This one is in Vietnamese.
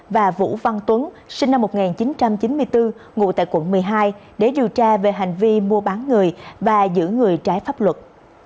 và vũ văn tuấn sinh năm một nghìn chín trăm chín mươi bốn ngụ tại quận một mươi hai để điều tra về hành vi mua bán người và giữ người trái pháp luật